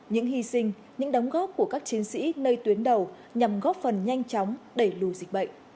những hy sinh những đóng góp của các chiến sĩ nơi tuyến đầu nhằm góp phần nhanh chóng đẩy lùi dịch bệnh